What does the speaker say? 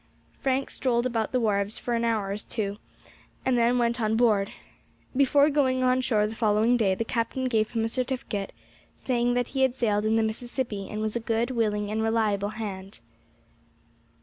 Frank strolled about the wharves for an hour or two, and then went on board. Before going on shore the following day, the captain gave him a certificate, saying that he had sailed in the Mississippi, and was a good, willing, and reliable hand.